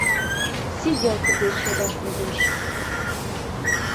Сиделке деч йодаш возеш.